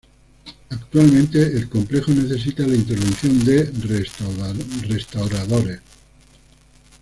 Actualmente el complejo necesita la intervención de restauradores.